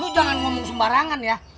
jangan ngomong sembarangan ya